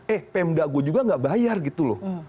eh pm dago juga nggak bayar gitu loh